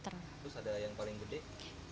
terus ada yang paling gede